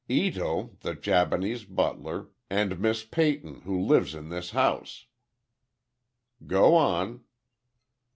"Ito, the Japanese butler, and Miss Peyton, who lives in this house." "Go on."